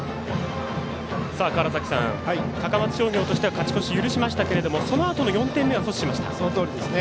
高松商業としては勝ち越し許しましたがそのあとの４点目は阻止しました。